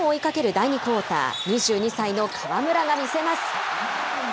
第２クオーター、２２歳の河村が見せます。